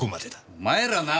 お前らなあ！